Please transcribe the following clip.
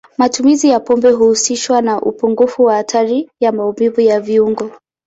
Matumizi ya pombe huhusishwa na upungufu wa hatari ya maumivu ya viungo.